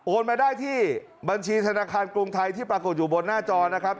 มาได้ที่บัญชีธนาคารกรุงไทยที่ปรากฏอยู่บนหน้าจอนะครับ